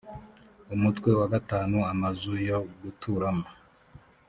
umutwe wa gatanu amazu yo guturamo